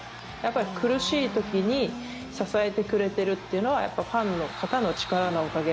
苦しい時に支えてくれているというのはやっぱファンの方の力のおかげ。